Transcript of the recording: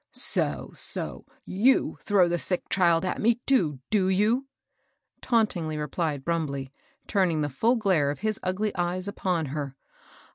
" So, so I y(m throw the sick child at me too, do you ?" tauntingly repUed Brumbley, turning the ftdl glare of his ugly eyes upon her.